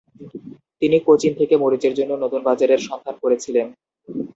তিনি কোচিন থেকে মরিচের জন্য নতুন বাজারের সন্ধান করেছিলেন।